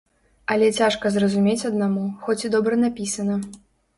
Але цяжка зразумець аднаму, хоць і добра напісана.